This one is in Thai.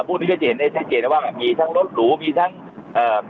พวกนี้ก็จะเห็นได้ชัดเจนแล้วว่ามีทั้งรถหรูมีทั้งเอ่อ